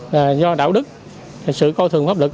là do đạo đức sự coi thường pháp lực